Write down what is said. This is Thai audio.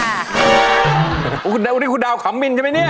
อันนี้คุณดาวขำมินใช่มั้ยเนี่ย